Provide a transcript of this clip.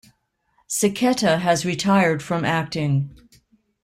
Siketa has retired from acting.